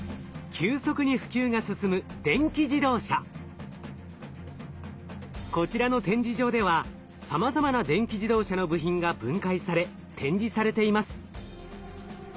急速に普及が進むこちらの展示場ではさまざまな電気自動車の部品が分解され展示されています。